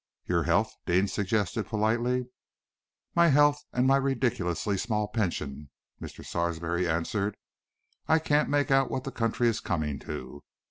"Your health?" Deane suggested politely. "My health, and my ridiculously small pension," Mr. Sarsby answered. "I can't make out what the country is coming to.